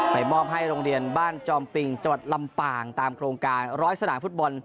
มอบให้โรงเรียนบ้านจอมปิงจังหวัดลำปางตามโครงการร้อยสนามฟุตบอล